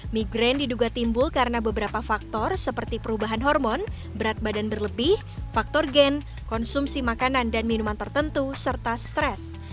migrain diduga timbul karena beberapa faktor seperti perubahan hormon berat badan berlebih faktor gen konsumsi makanan dan minuman tertentu serta stres